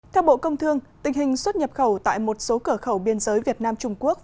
theo bộ công thương tình hình xuất nhập khẩu tại một số cửa khẩu biên giới việt nam trung quốc